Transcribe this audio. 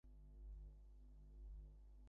ওহ, আমি কিছু চিন্তা করবো।